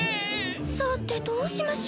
さてどうしましょ。